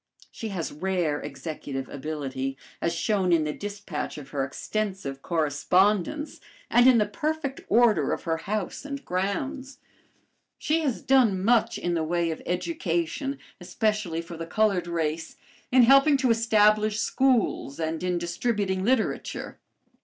She has rare executive ability, as shown in the dispatch of her extensive correspondence and in the perfect order of her house and grounds. She has done much in the way of education, especially for the colored race, in helping to establish schools and in distributing literature.